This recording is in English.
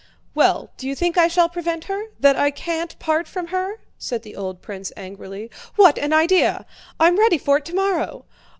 "Well, do you think I shall prevent her, that I can't part from her?" said the old prince angrily. "What an idea! I'm ready for it tomorrow!